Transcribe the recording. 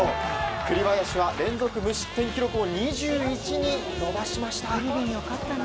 栗林は連続無失点記録を２１に伸ばしました。